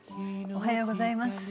おはようございます。